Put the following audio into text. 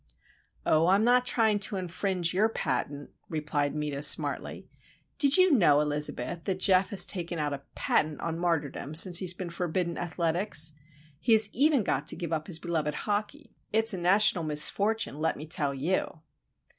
"Oh, I'm not trying to infringe your patent," replied Meta, smartly. "Did you know, Elizabeth, that Geof has taken out a patent on martyrdom, since he's been forbidden athletics? He has even got to give up his beloved hockey. It's a national misfortune, let me tell you."